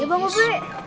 iya pak rt